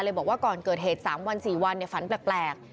บอกว่าก่อนเกิดเหตุ๓วัน๔วันฝันแปลก